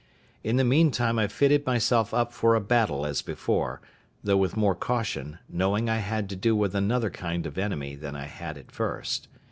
In the meantime I fitted myself up for a battle as before, though with more caution, knowing I had to do with another kind of enemy than I had at first.